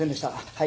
はい。